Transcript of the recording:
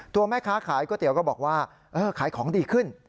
ตัวแม่ค้าขายก๋วยเตี๋ยวก็บอกว่าขายของดีขึ้น